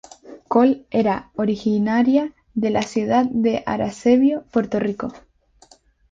Coll era originaria de la ciudad de Arecibo, Puerto Rico.